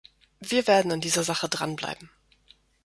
Wir werden an dieser Sache dran bleiben.